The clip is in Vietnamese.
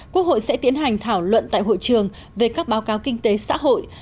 quốc hội sẽ tiến hành thảo luận tại hội trường về các báo cáo kinh tế xã hội